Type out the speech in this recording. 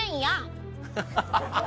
ハハハハ！